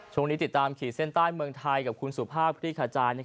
ช่วงนี้ติดตามขีดเส้นใต้เมืองไทยกับคุณสุภาพคลี่ขจาย